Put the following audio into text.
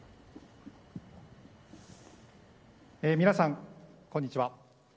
皆さん、こんにちは。